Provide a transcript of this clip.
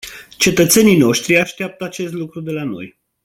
Cetățenii noștri așteaptă acest lucru de la noi.